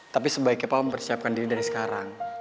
tapi sebaiknya papa mempersiapkan diri dari sekarang